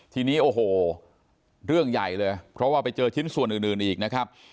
ทีนี้โอ้โหเรื่องใหญ่เลยเพราะว่าไปเจอชิ้นส่วนอื่นอีกนะครับ